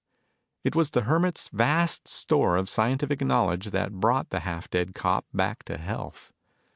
It was the Hermit's vast store of scientific knowledge that brought the half dead cop back to health.